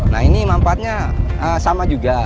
nah ini manfaatnya sama juga